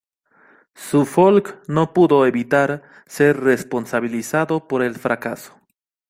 Suffolk no pudo evitar ser responsabilizado por el fracaso.